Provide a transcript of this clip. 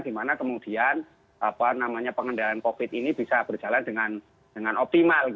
dimana kemudian pengendalian covid ini bisa berjalan dengan optimal